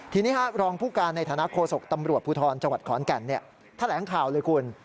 ทีนี้รองผู้การในฐานะโคศกตำรวจภูทรจังหวัดขอนแก่นแถลงข่าวเลยคุณ